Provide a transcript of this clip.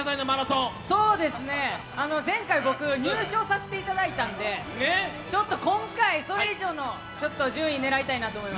前回僕、入賞させていただいたんで、ちょっと今回、それ以上の順位狙いたいと思います。